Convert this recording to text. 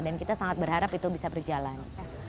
dan kita sangat berharap itu bisa berjalan